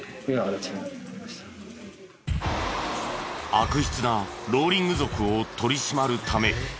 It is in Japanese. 悪質なローリング族を取り締まるため。